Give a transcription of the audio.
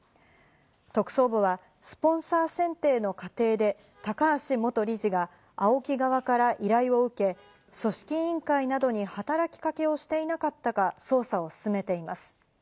特捜部はスポンサー選定の過程で高橋元理事がＡＯＫＩ側から依頼を受け、組織委員会などに働きかけをしていなかったか捜査を進めています。